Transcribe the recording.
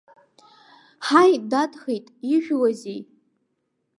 Ҳаи дадхеит, ижәуазеи.